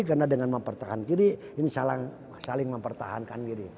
karena dengan mempertahankan diri ini saling mempertahankan diri